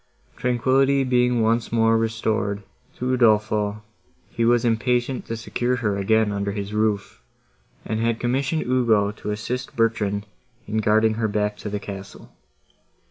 Tranquillity being once more restored to Udolpho, he was impatient to secure her again under his roof, and had commissioned Ugo to assist Bertrand in guarding her back to the castle.